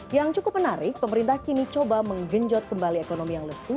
yang cukup menarik pemerintah kini coba menggenjot kembali ekonomi yang lesu